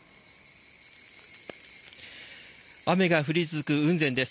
雨が降り続く雲仙です。